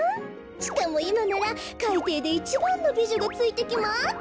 ちかもいまならかいていで１ばんのびじょがついてきまちゅ！